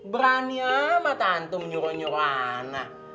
berani amat antum nyuruh nyuruh anak